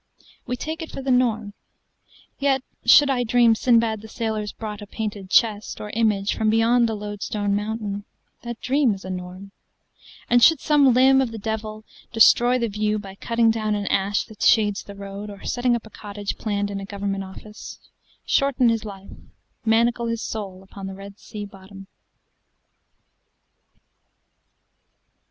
We take it for the norm; yet should I dreamSinbad the sailor's brought a painted chest, Or image, from beyond the Loadstone MountainThat dream is a norm; and should some limb of the devilDestroy the view by cutting down an ashThat shades the road, or setting up a cottagePlanned in a government office, shorten his life, Manacle his soul upon the Red Sea bottom.